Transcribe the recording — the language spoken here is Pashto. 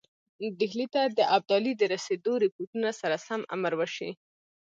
ډهلي ته د ابدالي د رسېدلو رپوټونو سره سم امر وشي.